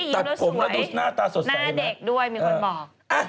แต่ผมก็ดูหน้าตาสดใสน่ะหน้าเด็กด้วยมีคนบอก